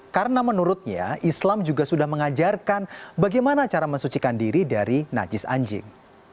karena menurutnya islam juga sudah mengajarkan bagaimana cara mesecikan diri dari najis anjing